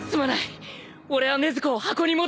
俺は禰豆子を箱に戻してくる。